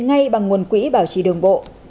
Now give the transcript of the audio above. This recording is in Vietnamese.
ngay bằng nguồn quỹ bảo trì đường bộ